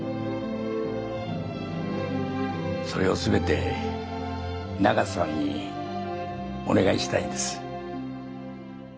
それを全て永瀬さんにお願いしたいんです。